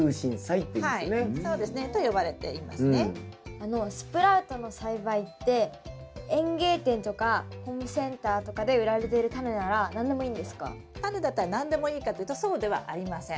あのスプラウトの栽培って園芸店とかホームセンターとかでタネだったら何でもいいかというとそうではありません。